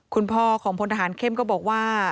คุณพ่อของพลทหารเข้มก็บอกว่า